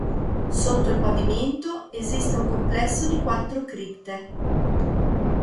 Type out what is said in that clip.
Sotto il pavimento esiste un complesso di quattro cripte.